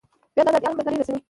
بيا د ازادۍ علمبردارې رسنۍ.